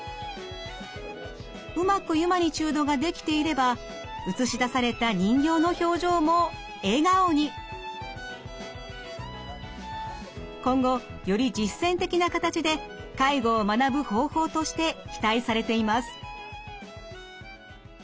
うまくユマニチュードができていれば映し出された今後より実践的な形で介護を学ぶ方法として期待されています。